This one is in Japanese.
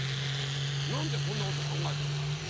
何でこんなこと考えたのか。